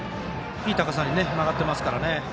いい高さに曲がってますからね。